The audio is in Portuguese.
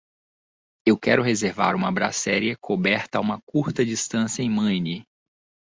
Eu quero reservar uma brasserie coberta a uma curta distância em Maine.